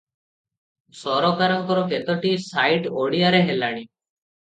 ସରକାରଙ୍କର କେତୋଟି ସାଇଟ ଓଡ଼ିଆରେ ହେଲାଣି ।